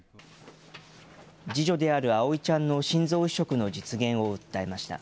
次女である葵ちゃんの心臓移植の実現を訴えました。